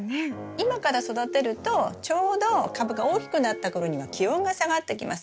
今から育てるとちょうど株が大きくなった頃には気温が下がってきます。